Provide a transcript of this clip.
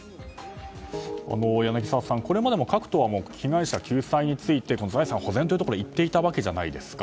柳澤さん、これまでも各党は、被害者救済について財産保全を言っていたわけじゃないですか。